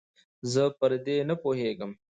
زه پر دې نپوهېدم